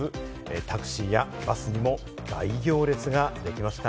タクシーやバスにも大行列ができました。